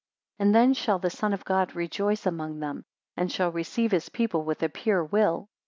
176 And then shall the Son of God rejoice among them, and shall receive his people with a pure will.